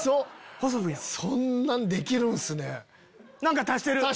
そんなんできるんすね。